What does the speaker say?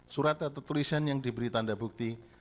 surat atau tulisan yang diberi tanda bukti